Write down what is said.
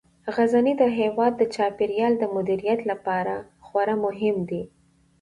غزني د هیواد د چاپیریال د مدیریت لپاره خورا مهم دی.